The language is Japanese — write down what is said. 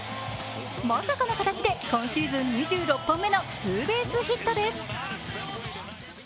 まさかの形で今シーズン２６本目のツーベースヒットです。